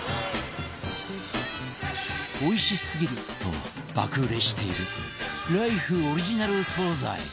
おいしすぎると爆売れしているライフオリジナル惣菜